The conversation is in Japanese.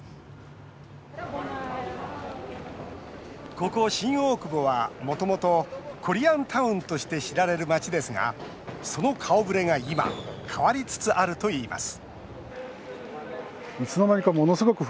ここ新大久保は、もともとコリアンタウンとして知られる街ですがその顔ぶれが今変わりつつあるといいます